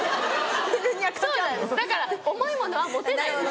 だから重いものは持てないんです。